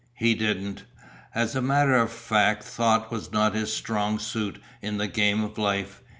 He didn't. As a matter of fact thought was not his strong suit in the game of life.